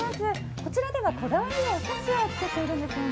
こちらではこだわりのおせちを作っているんですよね。